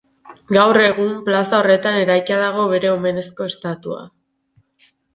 Gaur egun plaza horretan eraikia dago bere omenezko estatua.